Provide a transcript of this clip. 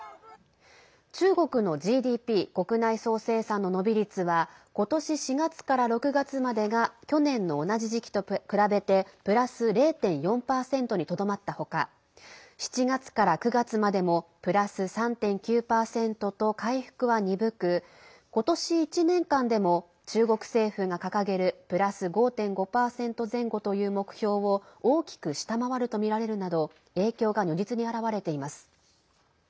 中国のＧＤＰ＝国内総生産の伸び率は今年４月から６月までが去年の同じ時期と比べてプラス０．４％にとどまった他７月から９月までもプラス３．９％と回復は鈍く今年１年間でも中国政府が掲げるプラス５．５％前後という目標を大きく下回るとみられるなど影響が如実に表れています。